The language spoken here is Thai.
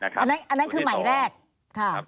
ค่ะอันนั้นคือใหม่แรก